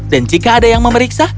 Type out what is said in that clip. dan jika ada yang memeriksa